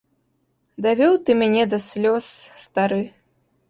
Давёў ты мяне да слёз, стары.